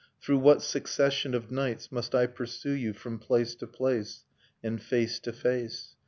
Through what succession of nights Must I pursue you from place to place. And face to face?